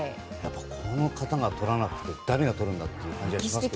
この方がとらなくて誰がとるんだという感じがします。